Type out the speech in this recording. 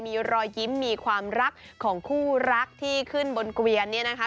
มีรอยยิ้มมีความรักของคู่รักที่ขึ้นบนเกวียนเนี่ยนะคะ